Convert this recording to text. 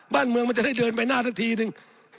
บ้านเมืองมันจะได้เดินไปหน้าสักทีนึง